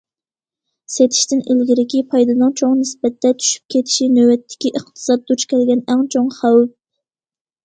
سېتىشتىن ئىلگىرىكى پايدىنىڭ چوڭ نىسبەتتە چۈشۈپ كېتىشى نۆۋەتتىكى ئىقتىساد دۇچ كەلگەن ئەڭ چوڭ خەۋپ.